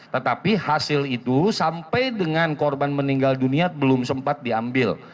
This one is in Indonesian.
tetapi hasil itu sampai dengan korban meninggal dunia belum sempat diambil